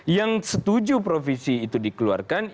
yang setuju provisi itu dikeluarkan